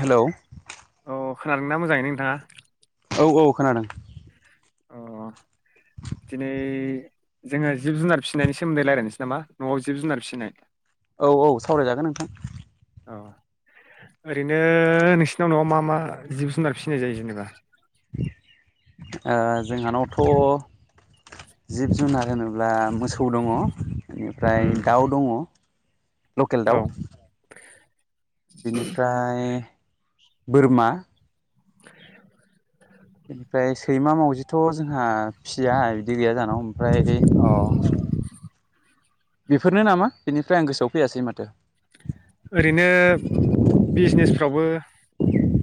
Hello. अ खोनादों ना मोजाङैनो नोंथाङा? औ औ खोनादों। अ दिनै जोङो जिब जुनार फिनायनि सोमोन्दै रायलायनोसै नामा न'आव जिब जुनार फिसिनाय। औ औ सावरायजागोन नोंथां। औ ओरैनो नोंसिनाव न'आव मा मा जिब जुनार फिनाय जायो जेनेबा? ओ जोंहानावथ'। जिब जुनार होनोब्ला मोसौ दङ। बेनिफ्राय उम दाउ दङ। लकेल औ दाउ । बिनिफ्राय बोरमा। [inaudible] बेनिफ्राय सैमा मावजिथ' जोंहा फिया बिदि गैया जोंहानाव ओमफ्राय अ। बेफोरनो नामा बेनिफ्राय आं गोसोआव फैयासै माथो। ओरैनो बिजिनेसफ्रावबो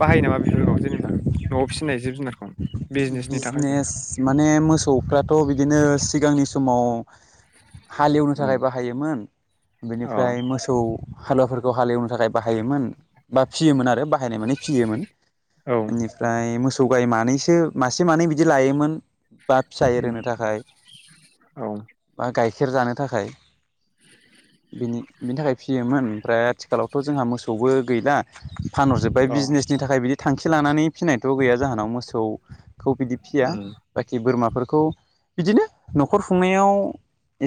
बाहायो नामा बेफोरखौ जेनेबा न'आव फिसिनाय जिब जुनारखौ? बिजनेसनि थाखायबो बिजिनेस माने मोसौफ्राथ' बिदिनो सिगांनि समाव। हालेवनो उम थाखाय बाहायोमोन अ बेनिफ्राय मोसौ हालुवाफोरखौ हालेवनो थाखाय बाहायोमोन बा फियोमोन आरो बाहायनाय माने फियोमोन। औ एनिफ्राय मो [unintelligible] मासे मानै बिदि लायोमोन। बा फिसा एरहोनो उम थाखाय औ बा गाय खेर जानो थाखाय [unintelligible] बिनि थाखाय। फियोमोन ओमफ्राय आथिखालावथ' जोंहा मोसौबो गैला। फानहरजोब्बाय अ बिजिनेसनि थाखाय बिदि थांखि लानानै फिनायथ' गैया जाहानाव मोसौ खौ बिदि भिसिया उम बाखि बोरमा फोरखौ बिदिनो न'खर खुंनायाव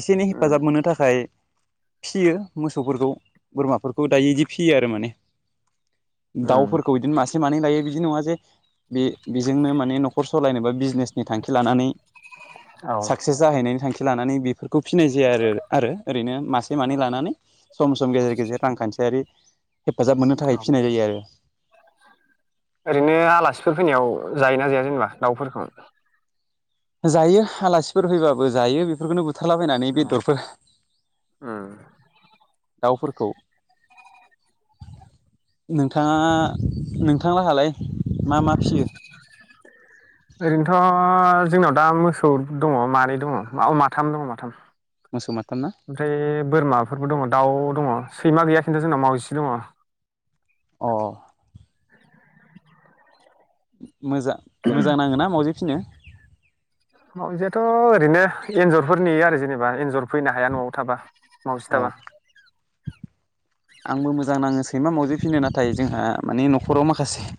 एसे एनै हेफाजाब उम मोननो थाखाय। फिसियो मोसौफोरखौ बोरमाफोरखौ दायो बिदि फिसियो आरो माने। उम दाउफोरखौ इदिन मास से माने दायो बिदि नङा जे बे बेजोंनो मा ने न'ख खर सलायनोबा बिजनेसनि थांखि लानानै औ साक्सेस जाहैनायनि थांखि। लानानै बेफोर खौ फिसिनाय जाया आरो आरो ओरैनो मासे मानै लानानै। सम सम गेजेर गेजेर रांखान्थियारि हेफाजाब मोननो थाखाय औ फिसिनाय जायो आरो ओरैनो आलासिफोर फैनायाव जायोना जाया जेनबा दाउफोरखौ? जायो आलासिफोर फैबाबो जायो बेफोरखौनो बु थारलाबायनानै अ बेदरफोर उम दाउफोरखौ नोंथाङा नों थां लाहालाय मा मा फिसियो? ओरैनोथ' जोंनाव दा मोसौ दङ मानै दङ औ माथाम दङ माथाम मोसौ माथाम ना ओमफ्राय बोरमाफोरबो दङ दाउ दङ। सैमा गैया खिन्थु जोंनाव मावजिसो दङ। अ [inaudible] मोजा मोजां नाङो ना मावजि फिसिनो मावजिआथ' ओरैनो एन्जरफोरनि आरो जेनेबा एन्जर फैनो हाया न'आव थाबा मावजि अ थाबा आंबो मोजां नाङो सैमा मावजिफिसिनो नाथाय जोंहा माने न'खराव माखासे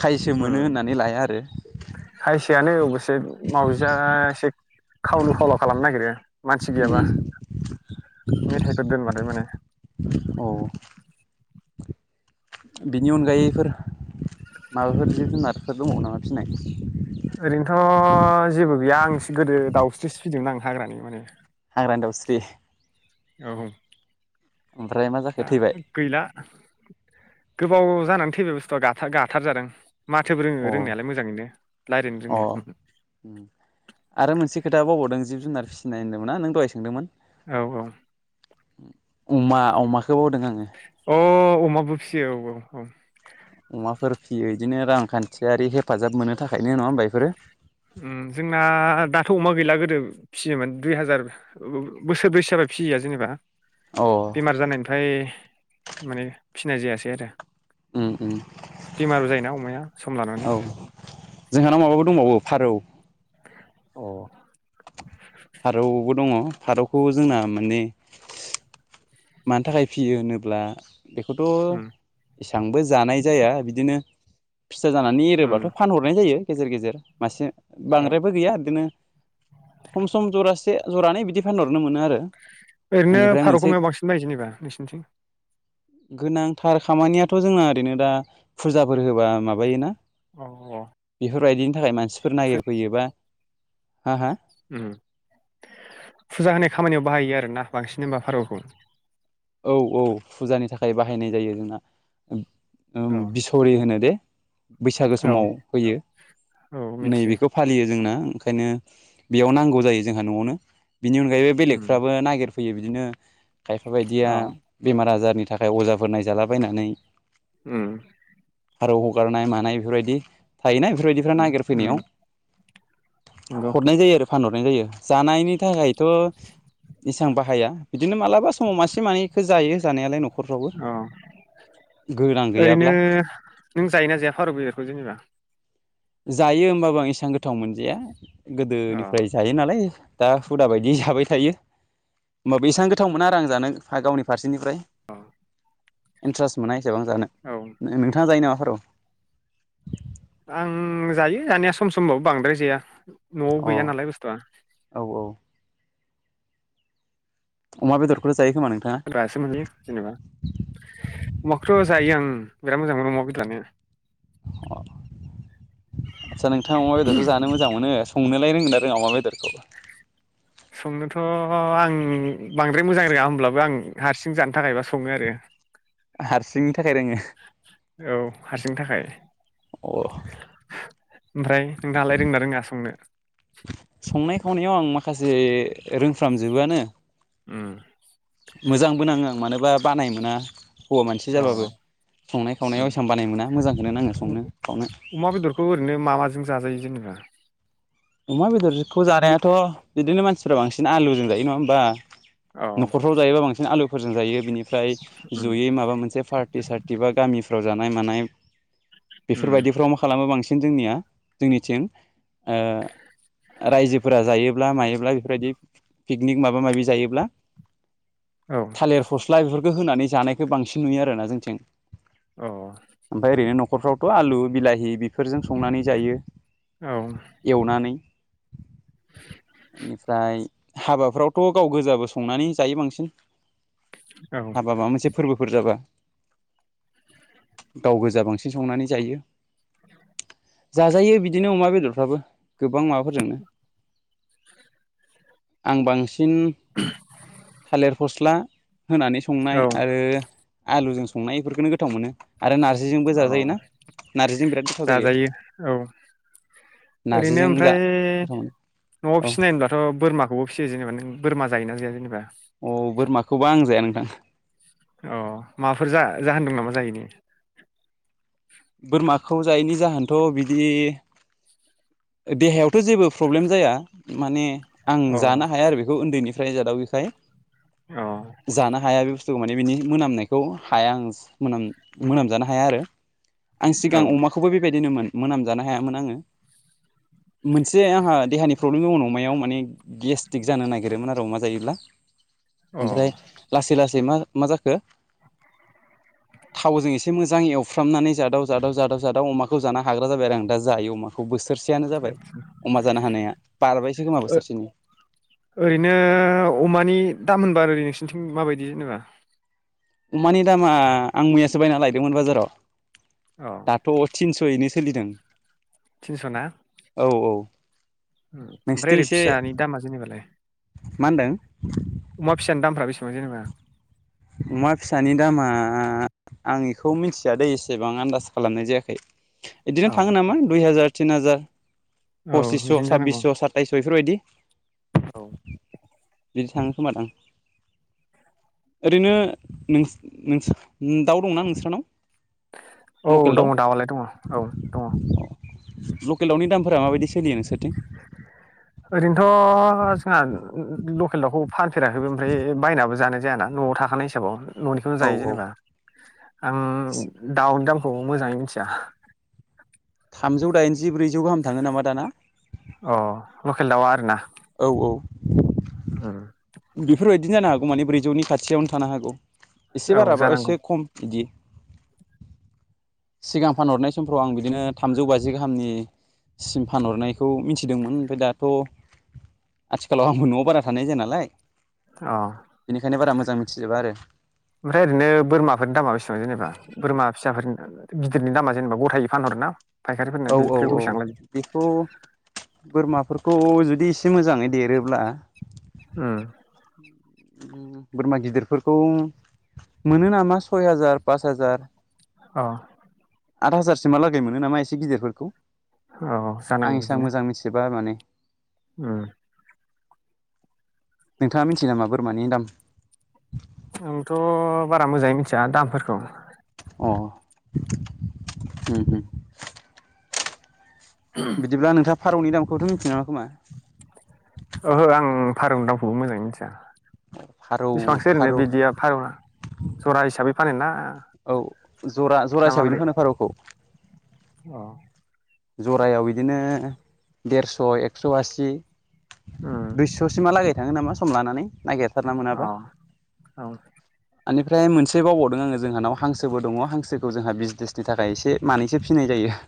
खायसो मोनो होननानै लाया आरो अबसे माउजिया एसे खावलु खावला खालामनो नागिरो। मानसि गैयाबा मेथाइफोर दोनबाथाय माने औ बिनि अनगायैफोर माबाफोर जिब जुनारफोर दङ नामा फिसिनाय? ओरैनोथ' जेबो गैया आंस गोदो दाउस्रिसो फिदों आं हाग्रानि माने हाग्रानि दाउस्रि औ ओमफ्राय मा जाखो दा थैबाय गैला। गोबाव जानानै थैबाय बुस्थुया गार गाथार जादों। माथोबो रोङो अ रोंनायालाय मोजाङैनो रायज्लायनो अ रोङो आरो मोनसे खोथा बावबावदों जिब जुनार फिसि नाय होन्दोंमोना नों दहाय सोंदोंमोन औ औ अमा अमा अ अमाबो फिसियो औ औ अ अमाफोर फियो बिदिनो रांखान्थियारि हेफाजाब मोननो थाखायनो नङा होनोमबा इफोरो। ओम जोंना दाथ' अमा गैला गोदो फिसियोमोन दुइ हाजार बोसोर ब्रैसो जाबा फिसिया जेनेबा अ बेमार जानायनिफ्राय माने फि नाय जायासै आरो उम उम बेमारबो जायोना अमाया सम लानानै। औ जोंहानाव माबाबो दंबावो फारौ । अ फारौबो दङ फारौखौ जोंना माने मानि थाखाय फियो होनोब्ला बेखौथ' एसेबांबो जानाय जाया बिदिनो फिसा जानानै उम एरोबाथ' फानहरनाय जायो। गेजेर गेजेर मासे अ बांद्रायबो गैया बिदिनो सम सम जरासे जरानै बिदि फानहर ओरैनो फारौखौ मायाव बांसिन बायो जेनोबा नोंसिनिथिं? गोनांथार खामानियाथ' जोंना ओरैनो दा फुरजाफोर होबा माबायोना अ औ। बेफोरबायदिनि थाखाय मानसि फोर नागिरफैयो बा हा हा? उम फुजा होनाय खामानियाव बाहायो आरोना बांसिन होमबा फोरौखौ? औ औ फुजानि थाखाय बाहायनाय जायो जोंना। उम औ बिसहरि होनो दे। बैसागो औ समाव होयो औ मिथियो नैबेखौ फालियो जोंना ओंखायनो बेयाव नांगौ जायो जोंहा न'आवनो । बिनि अनगायैबो उम बेलेगफ्राबो नागिर फैयो बिदिनो खा दिया औ बेमार आजार फोरनि थाखाय अजाफोर नायजालाबायनानै उम फारौ हगारनाय मानाय बेफोरबायदि थायोना बेफोरबायदिफ्रा उम नागिरफैनायाव उम नंगौ हरनाय जायो आरो फानहर नाय जायो जानायनि थाखायथ' इसेबां बाहाया बिदिनो मालाबा समाव मासि मानै अ गोनां ओरैनो गैयाब्ला नों जायोना जाया फारौ बेदरखौ जेनेबा? जायो होमबाबो आं इसेबां गोथाव मोनजाया। अ गोदोनिफ्राय जायो नालाय दा हुदा बायदि जाबाय थायो होमबाबो एसेबां गोथाव मोना आरो आं जानो गावनि फारसेनिफ्राय। औ। इन्टारेस मोननाय नोंथाङा जायो नामा? हर आं जायो जानाया सम समबाव बांद्राय जाया न'आव अ गैया नालाय बुस्थुआ औ औ अमा बेदरखौ हासो मोनोयो जेनेबा मख्रस ' जायो आं बिराद मोजां मोनो ना [unintelligible] आतसा नोंथा अमा बेदरखौ जानो मोजां मोनो। संनोलाय रोंगोना रोङा अमा वेदरखौबो संनोथ' आं बांद्राय मोजां रोङा होमब्लाबो आं हारसिं जानो थाखायबा सङो आरो हारसिं थाखाय रोङो औ हारसिंनि थाखाय अह ओमफ्राय नों थाङालाय रोंनो रोङा संनो बेयाव आं माखासे रोंफ्रामजोबोआनो उम मोजांबो नाङो आं मानोबा बानाय मोना हौवा मानसि अ जाबाबो संनाय खावनायाव एसां उम बानाय मोना मोजांखौनो आङो संनो खावनो। अमा बेदरखौ ओरैनो मा माजों जाजायो जेनेबा अमा बेदरखौ जानायाथ' बिदिनो मानसिफोरा बांसिन आलुजों जायो नङा होमबा। अ न'खरफ्राव जायोबा बांसिन आलु फोरजोंजायो बिनि मफ्राय उम जयै माबा मोनसे पार्टि सार्टि बा गामि फ्राव जानाय मानाय उम बेफोरबायदिफ्राव मा खालामो बांसिन जोंनिया जोंनिथिं ओ रायजोफोरा जायोब्ला मायोब्ला बेफोरबायदि पिकनिक माबा माबि जायोब्ला औ थालिर फस्ला बेफोरखौ होनानै जानायखौ बांसिन नुयो आरोना जोंथिं उह ओमफ्राय ओरैनो न'खरफ्रावथ' आलु बिलाहि बेफोरजों संनानै जायो औ एवनानै बेनिफ्राय हाबाफ्रावथ' गाव गोजाबो संनानै जायो बांसिन औ हाबा माबा मोनसे फोरबो फोर जाबा गाव गोजा बांसिन संनानै जायो [inaudible] जाजायो बिदिनो अमा बेदरफ्राबो गोबां माबाफोरजोंनो आं बांसि- सिन थालिर फस्ला होनानै संनाय औ आरो आलुजों संनाय फोरखौनो गोथाव मोनो आरो नारजिजोंबो अ जाजायो ना नारजिजों बिराद गोथाव जायो जाजायो बेनो नार्जिजों ओमफ्राय जा गोथाव मोनो न'आव औ फिसिनाय होनबाथ' बोरमाखौबो फिसियो जेनेबा नों बोरमा जायोना जाया जेनेबा [unintelligible] बोरमाखौबा आं जाया नोंथां अ माबाफोर जा जाहोनदों नामा जायैनि बोरमा खौ जायैनि जाहोनथ' बिदि देहायावथ' जेबो प्रब्लेम जाया माने आं अ जानो हाया आरो बेखौ उन्दैनि फ्राय जादावयैखाय अ औ जाना हाया बे बुस्थु माने बिनि मोनामनायखौ हाया आं मोनाम मोनामजानो हाया आरो आं अ सिगां अमाखौबो बेबायदि बिदि मोनामजानो हायामोन आङो मोनसे आंहा देहानि प्रब्लेम दङ अमायाव माने गेस्टि्क जानो नागिरोमोन आरो अमा जायोब्ला। ओ ओमफ्राय लासै लासै मा जाखो थावजों एसे मोजां एवफ्रामनानै जादाव जादाव जादाव जादाव अमाखौ जाना हाग्रा जाबाय आरो आं दा जायो अमखौ [unintelligible] बारबायसो खोमा ओ बोसोरसेनि ओरैनो अमानि दाम होनबा ओरैनो [unintelligible] माबायदि जेनेबा? अमानि दामा आं मैयासो बायना लायदोंमोन बाजाराव। औ दाथ' थिनस'। [unintelligible] सोलिदों। थिनस'ना? औ औ। ओमफ्राय नोंसोरथिं ओरै एसे फिसानि दामा जेनेबालाय? मा होनदों? अमा फिसानि दामफ्रा बेसेबां जेनेबा? अमा फिसानि दामा आं एखौ मिथियादै एसेबां आन्दास खालामनाय जायाखै। एदिनो औ थाङो नामा दुइ हाजार तिन हाजार औ पसिस' बिदिनो जानांगौ साब्बिस' साताइस' [unintelligible] बेफोरबायदि औ बिदि थाङो खोमा दां। ओरैनो नोंस -नोंस्रा दाउ दंना नोंस्रानाव? औ लकेल दाउ दङ दाउआलाय दङ औ दङ। लकेल दाउनि दामफोरा माबायदि सोलियो नोंसोरथिं? ओरैनोथ' जोंहा लकेल दाउखौ फानफेराखैबो ओमफ्राय बायनाबो जानाय जायाना न'आव थाखानाय हिसाबाव। न'निखौनो औ जायो औ जेनेबा। आं दाउनि दामखौ मोजाङै मिथिया। थामजौ दाइनजि। जिब्रैजौ गाहाम थाङो नामा दाना? अ लकेल दाउआ आरोना। औ औ [unintelligible] बिदिनो जानो हागौ मान ब्रैजौनि खाथियावनो थानो हागौ। एसे औ बाराबा जानांगौ एसे खम बिदि। सिगां फानहरनाय समफ्राव आं बिदिनो थामजौ बाजि गाहामनिसिम फानहरनायखौ मिथिदोंमोन ओमफ्राय दाथ' आथिखालाव आंबो न'आव बारा थानाय जाया नालाय अ बेनिखायनो बारा मोजां मिथिजोबा आरो ओमफ्राय ओरैनो बोरमाफोरनि दामा बेसेबां जेनेबा बोरमा फिसाफोर गिदिरनि दामा जेनेबा गथायै फानहरो ना? औ औ औ बेखौ बोरमाफोर खौ जुदि एसे मोजाङै देरोब्ला। ओम बोरमा गिदिरफोरखौ मोनो नामा सय हाजार पास हाजार। औ आथ हाजारसिमहा लागै मोनो नामा एसे गिदिरफोरखौ। औ आं एसां मोजां मिथिजोबा माने। ओम नोंथाङा मिथियो नामा बोरमानि दाम । आंथ' बारा मोजाङै मिथिया दामफोरखौ। अ, उम उम। बिदिब्ला नोंथाङा । फारौनि दामखौथ' मिथिनाय नङा खोमा? ओहो आं फारौनि दामखौबो मोजाङै मिथिया। फारौ बेसेबांसो ओरैनो फारौ बिदिया फारौना जरा हिसाबै फानो ना औ जरा जरा ना हिसाबैनो माबोरै? फानो फारौखौ औ जरायाव बिदिनो । देरस' एकस' आसि उम । दुइस' सिमा लागै बिथाङो नामा सम लानानै नागिर। औ औ बेनिफ्राय मोनसे बावबावदों आङो जोंहानाव हांसोबो दङ हांसोखौ जोंहा बिजनेसनि थाखाय एसे मानैसो फिनाय जायो।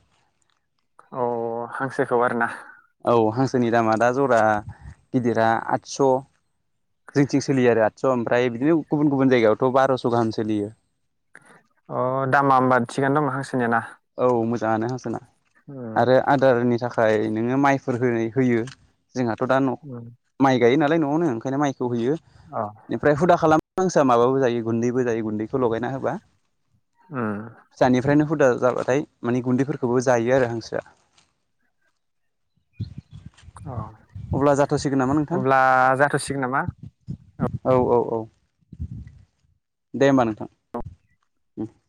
अ हांसोखौ आरो ना? औ हांसोनि दामा दा जरा गिदिरा आदस' जोंथिं सोलियो आरो आदस' ओमफ्राय बिदिनो गुबुन गुबुन जायगायावथ' बार'स' गाहाम सोलियो। अ दामा हबा थिगानो दंना हांसोनिया ना । औ मोजांङानो हांसोना। उम आरो आदारनि थाखाय। ओमफ्राय नोङो माइफोर होनाय होयो। जोंहाथ' दा न' उम माइ गायो नालाय न'आवनो ओंखाइनो माइ हयो अ बेनिफ्राय हुदा खालाम हांसोआ माबो जायो गुन्दैबो जायो गुन्दै। लगायना होबा उम फिसानिफ्रायनो हुदा । जाबाय नाथाय मानि गुन्दैफोरखौबो जायो आरो हांसोआ । अ नोंथां अब्ला जाथ'सिगोन नामा? औ औ औ दे होमबा नोंथां।